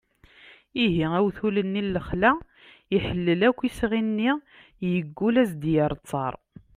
ihi awtul-nni n lexla iḥellel akk isɣi-nni yeggul ad as-d-yerr ttar